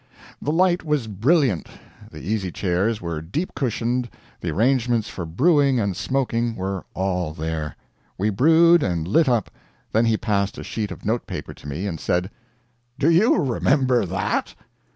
The light was brilliant, the easy chairs were deep cushioned, the arrangements for brewing and smoking were all there. We brewed and lit up; then he passed a sheet of note paper to me and said "Do you remember that?"